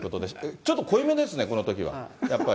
ちょっと濃いめですね、このときは、やっぱり。